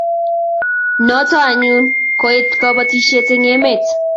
Noto anyun koetu kobotisiet eng emet